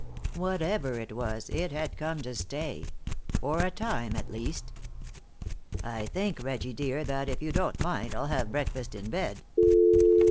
Whatever it was, it had come to stay for a time at least. "I think, Reggie, dear, that, if you don't mind, I'll have breakfast in bed."